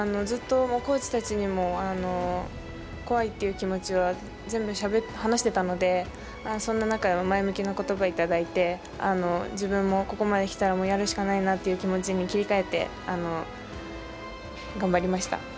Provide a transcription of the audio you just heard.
ずっとコーチたちにも怖いっていう気持ちは全部話してたので、そんな中でも前向きなことばを頂いて、自分もここまで来たらもうやるしかないなという気持ちに切り替えて頑張りま